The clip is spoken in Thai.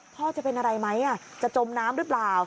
พ่อจะเป็นอะไรมั้ยอะจะจมน้ำรึเปล่า